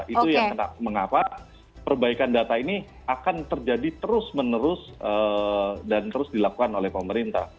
itu yang mengapa perbaikan data ini akan terjadi terus menerus dan terus dilakukan oleh pemerintah